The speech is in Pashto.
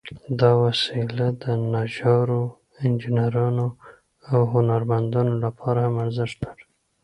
دا وسيله د نجارو، انجینرانو، او هنرمندانو لپاره هم ارزښت لري.